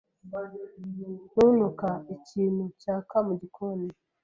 Ntunuka ikintu cyaka mugikoni?